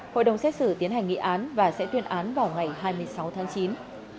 hội đồng xét xử tiến hành nghị án và sẽ tuyên án vào ngày hai mươi sáu tháng chín